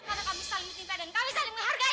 karena kami saling menikah dan kami saling menghargai